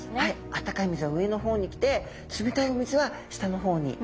あったかい水は上の方に来て冷たいお水は下の方にですね。